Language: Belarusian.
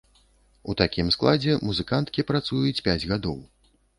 У такім складзе музыканткі працуюць пяць гадоў.